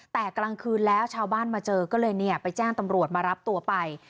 แต่กลางคืนแล้วชาวบ้านมาเจอก็เลยเนี่ยไปแจ้งตำรวจมารับตัวไป